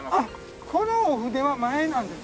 このお船は前なんです。